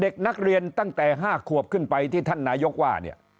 เด็กนักเรียนตั้งแต่๕ขวบขึ้นไปที่ท่านนายกว่าเนี่ย